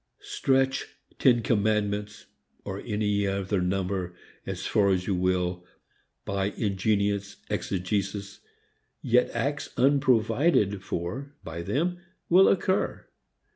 Stretch ten commandments or any other number as far as you will by ingenious exegesis, yet acts unprovided for by them will occur.